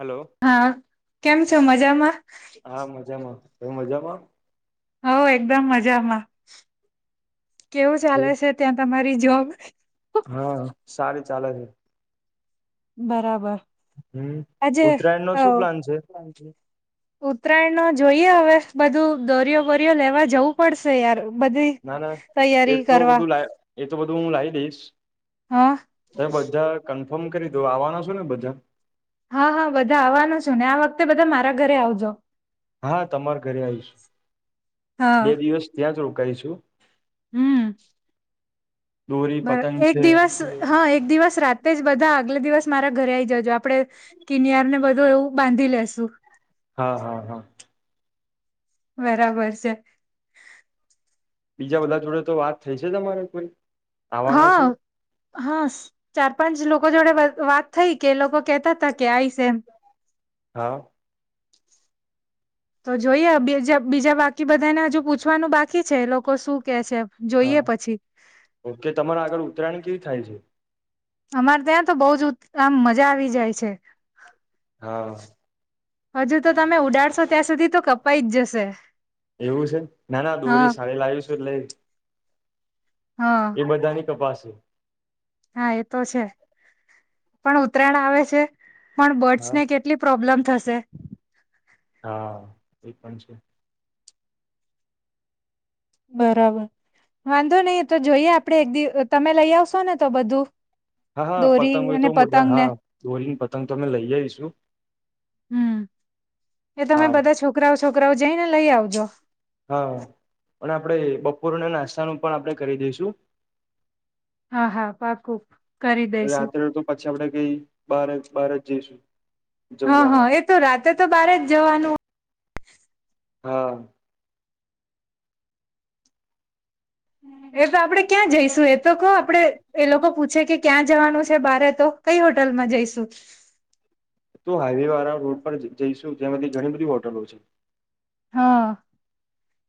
Hello હા કેમ છો મજામાં. હા મજામાં તું મજામાં. હ એકદમ મજામાં કેવું ચાલે છે ત્યાં તમારી જોબ. હા સારી ચાલે છે. બરાબર હમ આજે ઉત્તરાયણ નો આ શું પ્લાન છે ઉત્તરાયણ નો જોઈએ હવે બધું દોરયો બોરિયો લેવા જવું પડશે યાર. બધી ના ના એ તૈયારી તો કરવા બધું લા એ તો બધું હું લાઇઈ દઈશ હા હમે બધા ોમ કરી દો આવવાના છો ને બધા. હા હા બધા આવવાનું છો ને આ વખતે બધા મારા ઘરે આવજો. હા હા તમાર ઘરે આઇ શું હા બે દિવસ ત્યાં જ રોકાઈશું. હમ દોરી બસ પતંગ એક છે દિવસ હા એક દિવસ રાતે જ બધા આગલે દિવસ મારા ઘરે આઈ જજો આપડે કિનયાર ને બધું એવું બાંધી લેશુ. હા હા હા બરાબર છે બીજા બધા જોડે તો વાત થઈ છે તમારે કોઈ. હ આવવાના છે હ ચાર પણ જ લોકો જોડે વાત થઈ કે લોકો કેતા હતા કે આઇસ એમ. હા તો જોઈએ બજા બીજા બાકી બધાને હજુ પૂછવાનું બાકી છે લોકો શું કે છે. હા જોઈએ પછી ઓકે તમારા આગળ ઉત્તરાયણ કેવી થાય છે? અમારે ત્યાં તો બહુ જ આમ મજા આવી જાય છે. હા હજુ તો તમે ઉડાડશો ત્યાં સુધી તો કપાઈ જ જશે. એવું છે ના ના દોરી હા સાાળી લાવીશું એટલે હા એ બધાની કપાાસે હા એ તો છે પણ ઉત્તરાયણ આવે છે પણ હા બર્ડ્સને કેટલી પ્રોબ્લેમ થશે. હા એ પણ છે બરાબર વાંધો નહીિ તો જોઈએ આપડે એક દિવ તમે લઈ આવશો ને તો બધું? હા હા દોરી પતંગ હોય અને તો બધા પતંગ ને હા દોરી ન પતંગ તો અમે લય આઇ શું. હમ એ તમે હા બધા છોકરાઓ છોકરાઓ જઈને લઈ આવજો. હા અને આપડે બપોરને નાસ્તાનું પણ આપણે કરી દઈશું. હા હા પાકું કરી દઈશું રાત્રે તો પછી આપડે કઈ બાર જ બારજ જઈશું. હા જમવા હા માટે એ તો રાતે તો બારે જ જવાનું હો હા એ તો આપડે ક્યાં જઈશું એ તો કહો આપડે એ લોકો પૂછે કે ક્યાં જવાનું છે બારે તો. કઈ હોટલ માં જઈશું. તું હાઈવે વાળા રોડ પર જઈશુ જેમાંથી ઘણી બધી હોટલો છે. હા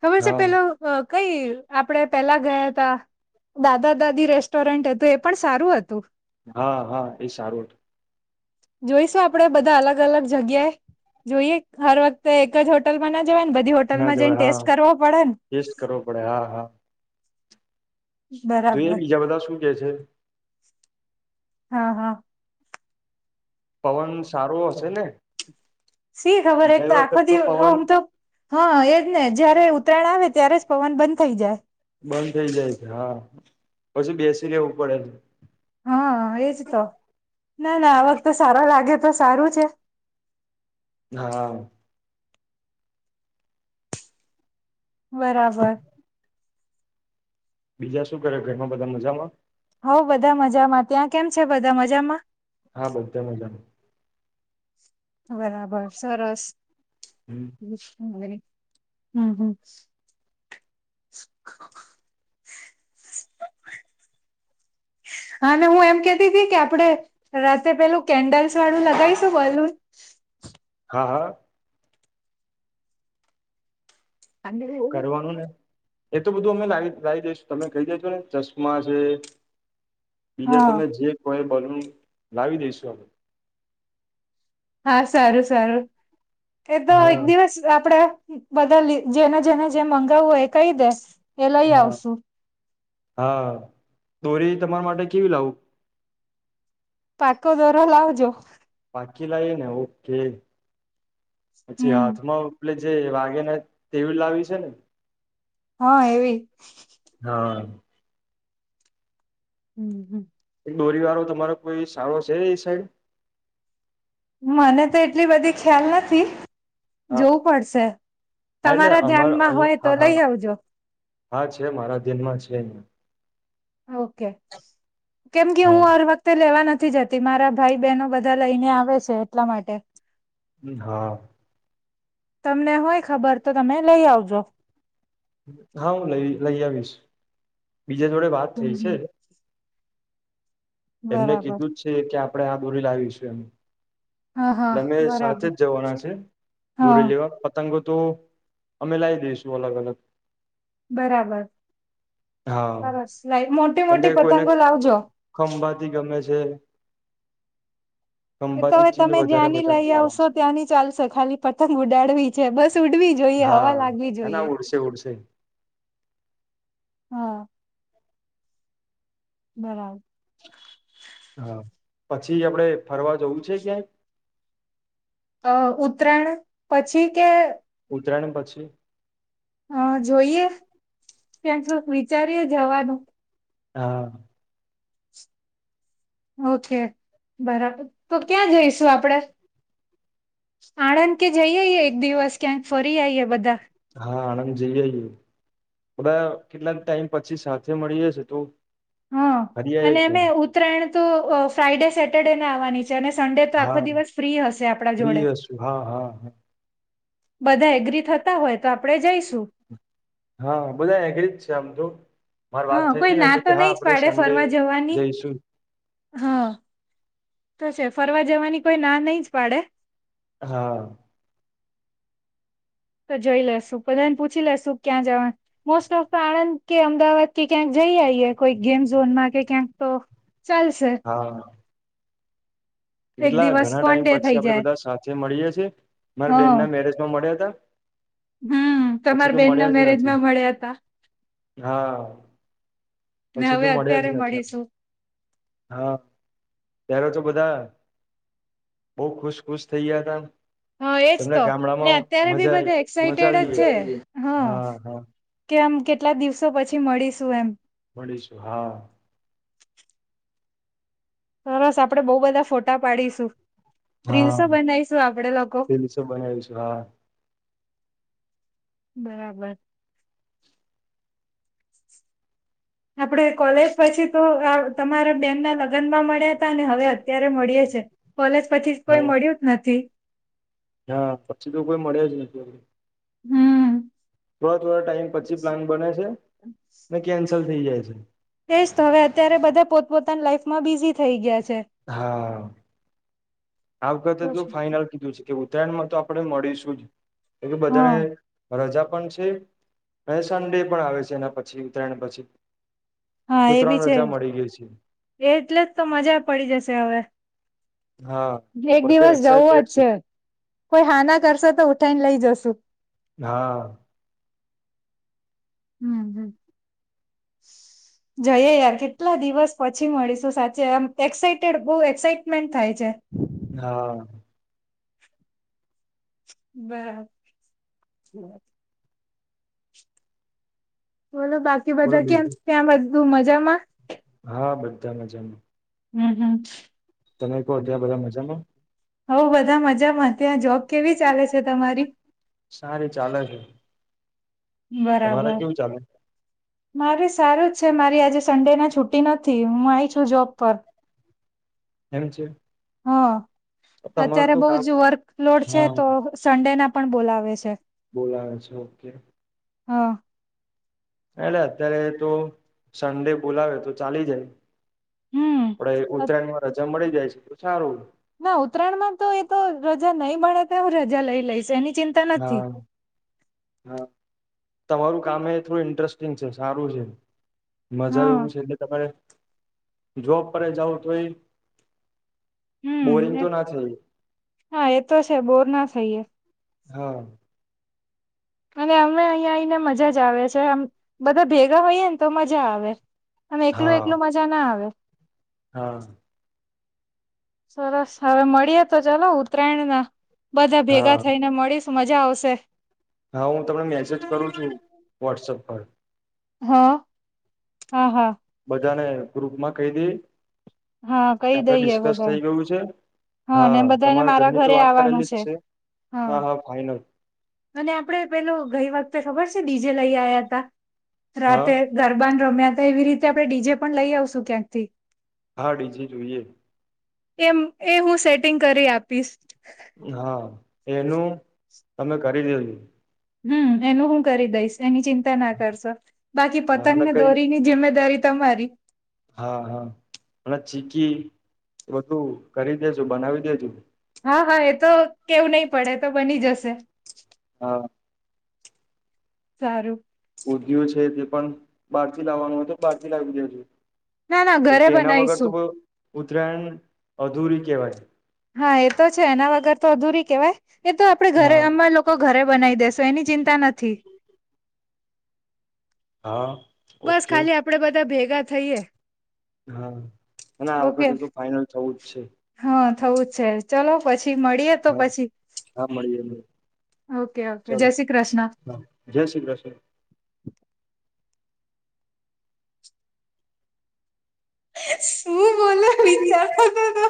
ખબર છે હા પેલું કઈ. આપડે પેલા ગયા તા દાદા દાદી રેસ્ટોરન્ટ હતું એ પણ સારું હતું. હા હા એ સારું હતું. જોઈશું આપડે બધા અલગ અલગ જગ્યાએ જોઈએ હર વખતે એક જ હોટલમાં ના જવાય ન બધી ના હોટલમાં જઈન જવાય હા ટેસ્ટ કરવો પડે ને. ટેસ્ટ કરવો પડે હા હા જોઈએ બરાબર બીજા બધા શું કે છે. હા હા પવન સારો હશે ને? સી ખબર એક ગઈ તો આખો વખત દિવ અ પવન અમ તો હા એજ ને જયારે ઉત્તરાયણ આવે ત્યારે જ પવન બંધ થઈ જાય. બંધ થઈ જાય છે હા પછી બેસી રેવું પડે છે. હા એજ તો ના ના આ વખતે તો સારો લાગે તો સારું છે. હા બરાબર બીજા શું કરે ઘરમાં બધા મજામાં હોવ બધા મજામાં ત્યાં કેમ છે બધા મજામાં હા બધા મજામાં બરાબર સરસ હમ હમ [inaudible] અને હું એમ કેતી હતી કે આપડે રાત્રે પેલું કેન્ડલ્સ વાળું લગાવીશ બલુંન હા હા કરવાનું ને એ તો બધું અમે લ લાવી દઈશું તમે કઈ દેજો ને ચશ્મા છે બીજા હા તમે જે કોઈ બલુંન લાવી દઈશુ અમે હા સારું સારું એ તો એક હા દિવસ આપડે બધા જેના જેને જે મંગાવું હોય એ કહી દે એ લઈ હા આવશું હા દોરી તમારા માટે કેવી લાવું પાકો દોરો લાવજો પાકી લાઈએ ને ઓકે પછી હમ હાથમાં આપલે જે વાગેના તેવી લાવી છે ને હા એવી હા હમ હમ દોરી વાળો તમારો કોઈ સારો છે એ સાઈડ મને તો એટલી બધી ખ્યાલ નથી હા જોવું પડશે હા એટલે તમારા અમાર ધ્યાનમાં હોય તો અહીંયા હા લઈ હા આવજો હા છે મારા ધ્યાનમાં છે ઓકે કેમ કે હા હું હર વખતે લેવા નથી નથી જતી મારા ભાઈ બહેનો બધા લઈને આવે છે એટલા માટે હા તમને હોય ખબર તો તમે લઈ આવજો હા હું લઈ લઈ આવીશ બીજા જોડે વાત હમ થઈ છે હમ એમને બરાબર કીધું જ છે. કે આપણે આ દોરી લાવીશું એમ હા હા અમે સાથે બરાબર જ જવાના છે. હા દોરી લેવા પતંગો તો અમે લાવી દઈશું અલગ-અલગ બરાબર. હા સરસ લાઈ કેમ કે મોટી-મોટી પતંગો લાવજો. સંભાતી ચીલ વધ ત્યાંની લઈ આવશો ત્યાંની ચાલશે ખાલી પતંગ ઉડાડવી છે. બસ ઉડવી જોઈએ. હવા હા લાગવી ના જોઈએ. ના ઉડશે, ઉડશે હમ્મ બરાબર. હા પછી આપડે ફરવા જવું છે ક્યાંય? અ ઉતરાયણ પછી કે ઉતરાણ પછી હા જોઈએ. ક્યાંક વિચારીએ જવાનું. હા. ઓકે બરાબર તો ક્યાં જઈશુ આપડે? આણંદ કે જઈઆએ એક દિવસ ક્યાંક ફરી આઈએ બધા. હા આણંદ જઈઆએ. બધા કેટલાક ટાઈમ પછી સાથે મળી જશે તો હા ફરી આવીએ અને અમે ક્યાંય ઉત્તરાયણ તો ફ્રાઈડે સેટર્ડેના આવવાની છે. સડેતો આખો હા દિવસ ફ્રી હશે. આપણા ફ્રી જોડે હશું હા હા બધા એગ્રી થતા હોય. તો આપણે જઈશું હા બધાય ઈ જ છે આમ જો હા કોઈ ના તો નઈ જ પાડે ફરવા જવાની. જઈશું હા તો છે. ફરવા જવાની કોઈ ના નઈ જ પાડે. હા. ઈ તો જોઈ લેશું. બધાને પૂછી લેશું ક્યાં જવા, મોસ્ટ ઓફ આણંદ કે અમદાવાદ કે ક્યાંક જા ઈ આઈએ કોઈ ગેમ ઝોન માં કે કયાંક તો ચાલશે. હા એક કેટલા દિવસ ઘણા ફન ટાઈમ ડે પછી થઈ આપડે જાય બધા સાથે મળીએ છીએ. મારા બેન ના મેરેજમાં મળ્યા તા. હમ્મ, તમારા બેન ના મળ્યા જ નથી મેરેજમાં મળ્યા તા. હા. ને પછી તો હવે મળ્યા જ અત્યારે નથી આપ, મળીશું હા. ત્યારે તો બધા બહું ખુશ-ખુશ થઇ ગયા તા. હા એજ તો. ને અત્યારે બી આઈ બધા મજા આવી એક્સાઈટેડ જ ગઈ છે. હતી હા. કે આમ કેટલા દિવસો પછી મળીશું એમ. મળીશું હા. સરસ. આપડે બહું બધા ફોટા પાડીશું. હા રીલંસો બનાઈશું આપડે લોકો. રીલ્સો બનાવીશું હા બરાબર. આપડે કોલેજ પછી તો અહ તમારા બેનના લગ્નમાં મળ્યા તા, ને હવે અત્યારે મળીએ છે. કોલેજ પછી કોઈ હા મળ્યું જ નથી. હા પછી તો કોઈ મળ્યા જ નથી [unintelligible] હમ્મ. થોડા-થોડા ટાઈમ પછી પ્લાન બને છે, ને કેન્સલ થઈ જાય છે. તેજ તો, હવે અત્યારે બધા પોતપોતાની લાઈફમાં બિઝી થઈ ગયા છ હા. આ વખતે તો જો ફાઈનલ કીધું છે કેવું ઉત્તરાયણમાં તો આપણે મળીશું જ. કેમ કે બધાને હા રજા પણ છે અને [unintelligible] ડે પણ આવે છે એના પછી ઉત્તરાયણ પછી. હા તો એ બી ત્રણ છે. રજા મળી ગઈ છે એ એટલે જ તો મજા પડી જશે હવે. હા તો એક બધા દિવસ જવા જ એક્સાઈટેડ છે. કોઈ હા, ના કરશે તો ઉઠાઈને લઈ જશુ. હા. હમ્મ-હમ્મ. જઈએ યાર કેટલા દિવસ પછી મળીશું, સાચે આમ, એક્સાઈટેડ બોવ એક્સાઈટમેન્ટ થાય છે. હા બરાબર. બોલો બાકી બોલો બધા કેમ બીજું ત્યાં બધું મજામાં? હા, બધા મજામાં. હમ્મ, હમ્મ. તમે કહો તા બધા મજામાં? હોવ, બધા મજામાં ત્યાં જોબ કેવી ચાલે છે તમારી? સારી ચાલે છે તમારે બરાબર. કેવું ચાલે? મારે સારું જ છે. મારી આજે સન્ડેના છુટ્ટી નથી, હું આઈ છું જોબ પર. એમ છે? હા, તમારું અત્યારે તો બોવ કામ જ વર્કલોડ છે, હા તો સન્ડેના પણ બોલાવે છે. બોલાવે છે, ઓકે. હા. એટલે અત્યારે તો સન્ડે બોલાવે તો ચાલી જાય. આપડે અત ઉત્તરાયણમાં રજા મળી જાય છે તો સારું. ના ઉત્તરાયણમાં તો એ તો રજા નહી મળે તોય હું રજા લઈ લઈશ, એની ચિંતા નથી. હા, હા. તમારું કામ એ થોડું ઇન્ટસ્ટિંગ છે, સારું છે. મજા હા એવું છે કે તમારે જોબ પર એ જાવ તોય હમ્મ, હા એતો છે બોર ના થઈએ. હા. અને અમે અહીં આવીઈને મજા જ આવે છે, બધા ભેગા હોઈએ ને તો મજા આવે. અને હા એકલું-એકલું મજા ના આવે. હા. સરસ હવે મળીએ તો, ચાલો ઉત્તરાયણના બધા ભેગા હા થઈને મળીશ. મજા આવશે. હા, હું તમને મેસેજ કરું છું, વોટ્સઅપ પર. હ, હા, હા. બધાને ગ્રુપમાં કહી દે હા કે કહી આપડે દઈએ ડિસ્કસ બધા થઈ ગયું છે. હા, ને બધાને તમારા મારા ઘરની તો ઘરે વાત આવવાનું કરેલી જ છે. હા, હા ફાઈનલ. અને આપણે પેલો ગઈ વખતે ખબર છે? ડી જે લઈ આવ્યા હતા, હા રાત્રે ગરબાને રમ્ય એવી રીતે આપણે ડી જે પણ લઈ આવશું, ક્યાંકથી. હા, ડી જે જોઈએ. એમ એ હું સેટિંગ કરી આપીશ. હા, એનું તમે કરી દેજો. હમ્મ એનું હું કરી દઈશ. એની ચિંતા ના કરશો બાકી હા અને પતંગને કઈ દોરીની જિમ્મેદારી તમારી. હા, હા અને ચીકી બધું કરી દેજો બનાવી દેજો. હા, હા એ તો કેવું નહી પડે, એ તો બની જશે. હા. સારું. ઊંધિયું છે તે પણ બહારથી લાવવાનું હોય, તો બહારથી લાવી દેજો. ના ના કેમ ઘરે કે એના વગર તો બનાવીશું ઉત્તરાયણ અધૂરી કેવાય. હા, એ તો છે, એના વગર તો અધૂરી કેવાય એ તો આપણે ઘરે હા અમે લોકો ઘરે બનાવી દેશુ. તો એની ચિંતા નથી. હા. બસ ઓકે ખાલી આપણે બધા ભેગા થઈએે. હા અને આ વખતે તો ફાઈનલ થવું જ છે હા થવું છે ચલો પછી મળીએ તો હા પછી હા મળીએ મળીએ, ઓકે ઓકે ચાલો જય શ્રી કૃષ્ણ. હા, જય શ્રી કૃષ્ણ શું બોલે વિચારતો ખરો